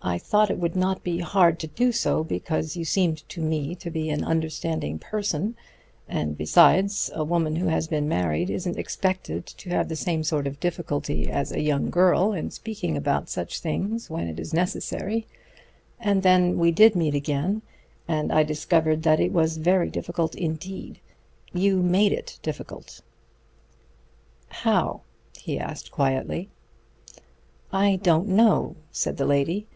I thought it would not be hard to do so, because you seemed to me an understanding person, and besides, a woman who has been married isn't expected to have the same sort of difficulty as a young girl in speaking about such things when it is necessary. And then we did meet again, and I discovered that it was very difficult indeed. You made it difficult." "How?" he asked quietly. "I don't know," said the lady.